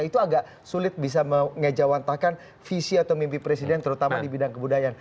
itu agak sulit bisa mengejawantakan visi atau mimpi presiden terutama di bidang kebudayaan